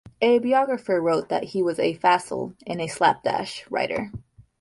A biographer wrote that he was a facile and slapdash writer.